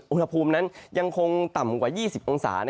อุณหภูมินั้นยังคงต่ำกว่า๒๐องศา